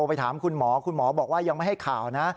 ไปถามคุณหมอคุณหมอบอกว่ายังไม่ให้ข่าวนะ